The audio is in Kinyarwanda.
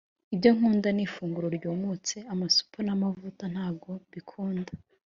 ibyo nkunda n’ifunguro ryumutse amasupu n’amavuta ntabwo mbikunda